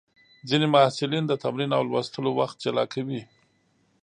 ځینې محصلین د تمرین او لوستلو وخت جلا کوي.